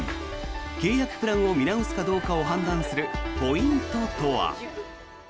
契約プランを見直すかどうかを判断するポイントとは。